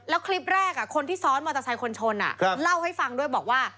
แล้วคลิปแรกคนที่ซ้อนมอเตอร์ไซค์คนชนเล่าให้ฟังด้วยบอกว่า